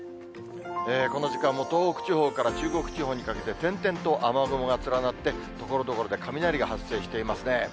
この時間も東北地方から中国地方にかけて、点々と雨雲が連なって、ところどころで雷が発生していますね。